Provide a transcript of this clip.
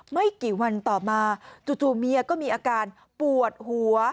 ไม่กี่วันต่อมาจู่เมียก็มีอาการปวดหัว